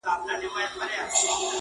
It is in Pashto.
انګازې به یې خپرې سوې په درو کي -